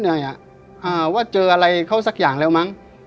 ว่าเจออะไรเขาสักอย่างแล้วมั้ง